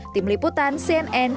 tim liputan cnn